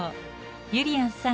ゆりやんさん